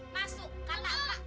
masuk kata pak